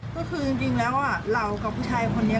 ก็คือจริงแล้วเรากับผู้ชายคนนี้